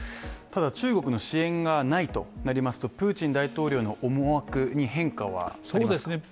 ただ中国の支援がないとなりますとプーチン大統領の思惑に変化はありますか。